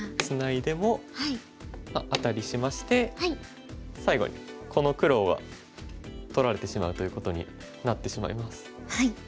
ツナいでもアタリしまして最後にこの黒は取られてしまうということになってしまいます。